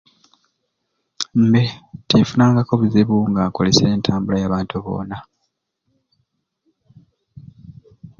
Mbe tinfunangaku buzibu nga nkoleserye entambula y'abantu boona